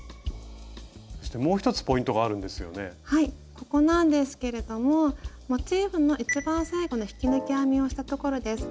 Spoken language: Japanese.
ここなんですけれどもモチーフの一番最後の引き抜き編みをしたところです。